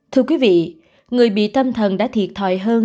thưa quý vị người bị tâm thần đã thiệt thòi hơn